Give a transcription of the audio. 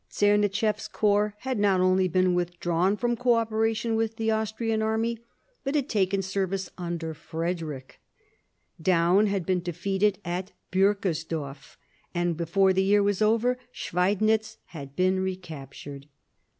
Czernichef s corps had not only been withdrawn from co operation with the Austrian army, but had taken service under Frederick Daun had been defeated at Burkersdorf, and before the year was over Schweidnitz had been recaptured.